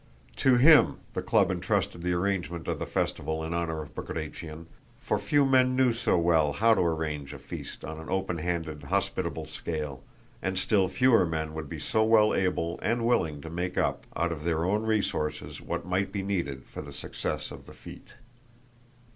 To him the club entrusted the arrangement of the festival in honor of Bagratión, for few men knew so well how to arrange a feast on an open handed, hospitable scale, and still fewer men would be so well able and willing to make up out of their own resources what might be needed for the success of the fete.